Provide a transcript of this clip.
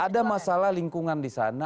ada masalah lingkungan di sana